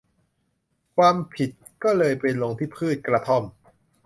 ความผิดก็เลยไปลงที่พืชกระท่อม